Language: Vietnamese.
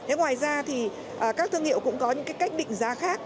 thế ngoài ra thì các thương hiệu cũng có những cái cách định giá khác